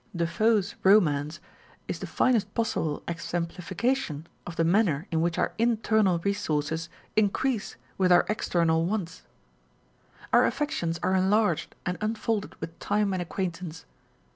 Defoe's romance is the finest possible exem plification of the manner in which our internal resources increase with our external wants. 436 On Novelty and Familiarity. Our affections are enlarged and unfolded with time and acquaintance.